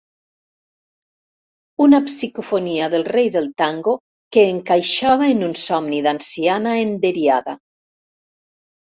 Una psicofonia del rei del tango que encaixava en un somni d'anciana enderiada.